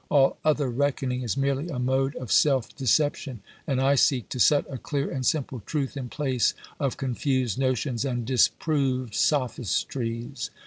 All other reckoning is merely a mode of self deception, and I seek to set a clear and simple truth in place of confused notions and disproved sophistries.